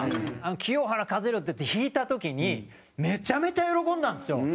「清原和博」っていって引いた時にめちゃめちゃ喜んだんですよ。